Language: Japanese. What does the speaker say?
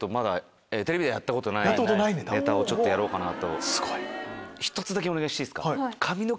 テレビでやったことないネタをやろうかなと。